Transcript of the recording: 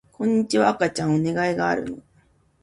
こんにちは赤ちゃんお願いがあるの